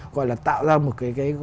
gọi là tạo ra một cái